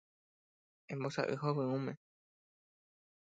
Embosa'y hovyũme.